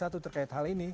terkait hal ini